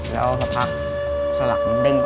แล้วพอพักสลักมันเด้งออก